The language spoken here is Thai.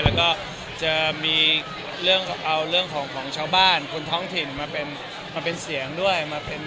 แล้วก็จะเอาเรื่องของชาวบ้านคนท้องถิ่นมาเป็นเสียงด้วย